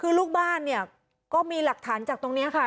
คือลูกบ้านเนี่ยก็มีหลักฐานจากตรงนี้ค่ะ